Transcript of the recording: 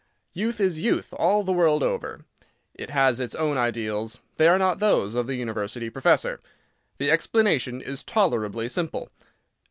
Youth is youth all the world over; it has its own ideals; they are not those of the University professor. The explanation is tolerably simple.